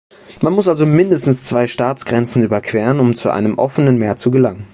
Man muss also mindestens zwei Staatsgrenzen überqueren, um zu einem offenen Meer zu gelangen.